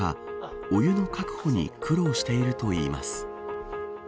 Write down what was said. お湯の確保に苦労しているといいます。